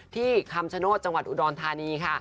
คำชโนธจังหวัดอุดรธานีค่ะ